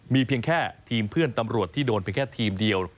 มีเพียงแค่ทีมเพื่อนตำรวจที่โดนไปแค่ทีมเดียว